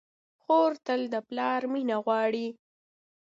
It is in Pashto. خور تل د پلار مینه غواړي.